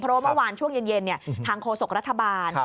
เพราะว่าเมื่อวานช่วงเย็นทางโฆษกรัฐบาล